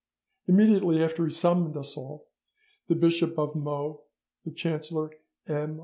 Immediately after he summoned us all, the Bishop of Meaux, the chancellor M.